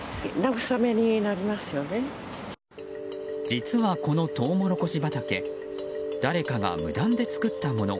実は、このトウモロコシ畑誰かが無断で作ったもの。